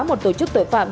một tổ chức tội phạm